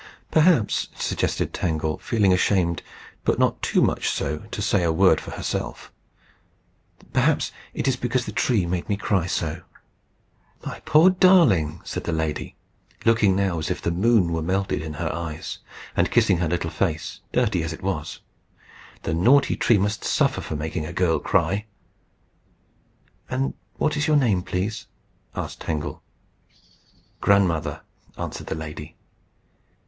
"Perhaps," suggested Tangle, feeling ashamed, but not too much so to say a word for herself "perhaps that is because the tree made me cry so." "My poor darling!" said the lady, looking now as if the moon were melted in her eyes, and kissing her little face, dirty as it was, "the naughty tree must suffer for making a girl cry." "And what is your name, please?" asked Tangle. "Grandmother," answered the lady.